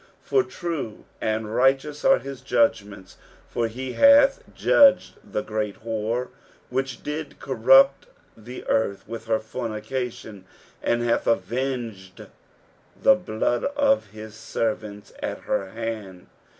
For trae and righteous are his judgments ; for he hath judged the great whore which did corrupt the earth with her fornication, and hath avenged the blood of his servants at her hand.